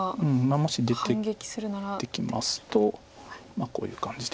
もし出てきますとこういう感じで。